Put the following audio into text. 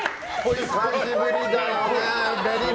久しぶりだよね。